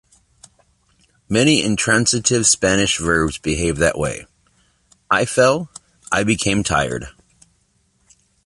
Many intransitive Spanish verbs behave that way: ', I fell; ', I became tired.